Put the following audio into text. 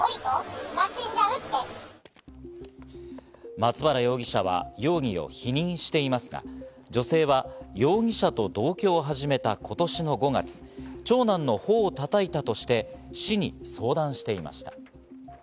松原容疑者は容疑を否認していますが、女性は容疑者と同居を始めた今年の５月、長男のほおを叩いたとして市に相談していました。